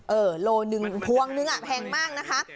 เออโลนึงพวงนึงแพงมากนะคะ